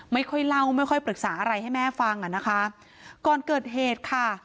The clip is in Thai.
ไม่ค่อยเล่าไม่ค่อยปรึกษาอะไรให้แม่ฟังอ่ะนะคะก่อนเกิดเหตุค่ะ